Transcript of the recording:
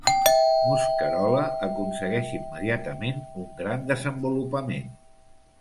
Mosquerola aconsegueix immediatament un gran desenvolupament.